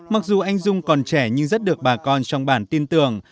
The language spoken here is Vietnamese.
mặc dù anh dung còn trẻ nhưng rất được bà con trong bản tin tưởng